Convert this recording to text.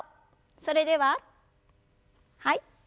それでははい。